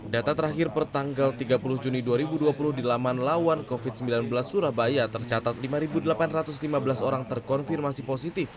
data terakhir per tanggal tiga puluh juni dua ribu dua puluh di laman lawan covid sembilan belas surabaya tercatat lima delapan ratus lima belas orang terkonfirmasi positif